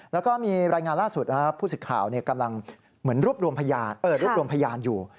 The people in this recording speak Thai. แล้วก็มีรายงานล่าสุดผู้สิทธิ์ข่าวกำลังเหมือนรวบรวมพยานรวบรวมพยานอยู่